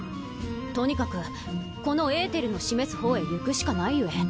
とにかくこのえーてるの示す方へ行くしかないゆえ。